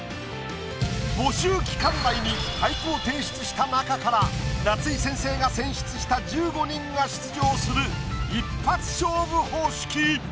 募集期間内に俳句を提出した中から夏井先生が選出した１５人が出場する一発勝負方式。